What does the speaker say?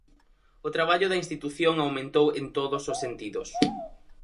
O traballo da institución aumentou en todos os sentidos.